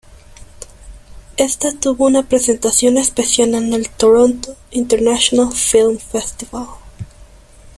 Esta tuvo una presentación especial en el Toronto International Film Festival.